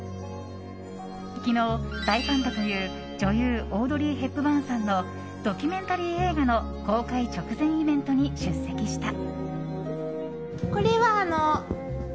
昨日、大ファンだという女優オードリー・ヘプバーンさんのドキュメンタリー映画の公開直前イベントに出席した。